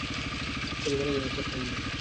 যে ও মারা যায়নি, স্রেফ হারিয়ে গেছে।